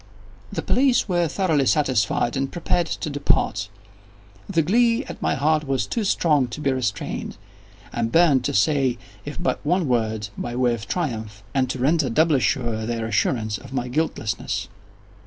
The police were thoroughly satisfied and prepared to depart. The glee at my heart was too strong to be restrained. I burned to say if but one word, by way of triumph, and to render doubly sure their assurance of my guiltlessness.